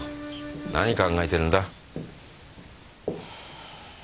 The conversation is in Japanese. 何考えてるんだ？